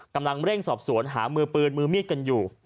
กำลังเร่งสอบสวนหามือปืนมือมีดกันอยู่